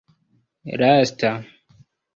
lasta